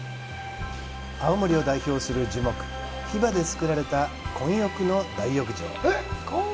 青森を代表する樹木、ヒバで造られた混浴の大浴場。